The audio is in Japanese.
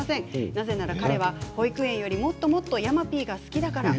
なぜなら彼は保育園によりもっともっと山Ｐが好きだから。